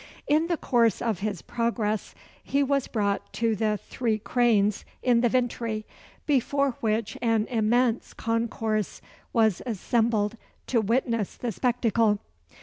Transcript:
In the course of his progress, he was brought to the Three Cranes in the Vintry, before which an immense concourse was assembled to witness the spectacle.